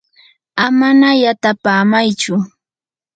amana yatapamaychu.